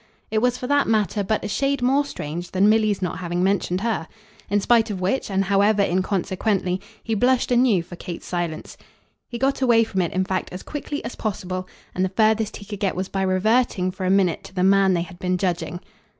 It was for that matter but a shade more strange than Milly's not having mentioned her. In spite of which, and however inconsequently, he blushed anew for Kate's silence. He got away from it in fact as quickly as possible, and the furthest he could get was by reverting for a minute to the man they had been judging.